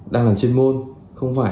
đang làm chuyên môn không phải